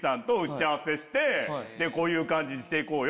こういう感じにして行こうよ！